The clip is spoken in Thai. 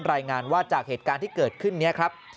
รายงานว่าจากเหตุการณ์ที่เกิดขึ้นนี้ครับ